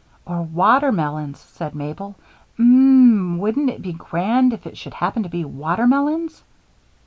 "Or watermelons," said Mabel. "Um m! wouldn't it be grand if it should happen to be watermelons?"